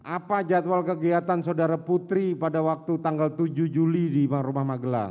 apa jadwal kegiatan saudara putri pada waktu tanggal tujuh juli di rumah magelang